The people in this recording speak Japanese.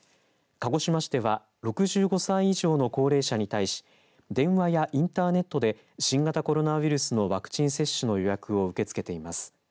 鹿児島市では６５歳以上の高齢者に対し電話やインターネットで新型コロナウイルスのワクチン接種の予約を受け付けています。